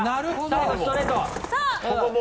最後ストレート！